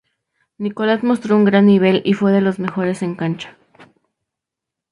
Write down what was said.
Nicolás mostró un gran nivel y fue de los mejores en cancha.